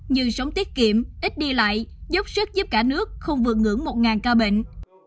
như sống tiết kiệm ít đi lại dốc sức giúp cả nước không vượt ngưỡng một ca bệnh